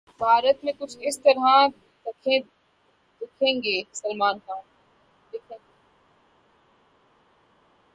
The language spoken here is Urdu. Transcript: بھارت 'میں کچھ اس طرح دکھیں گے سلمان خان'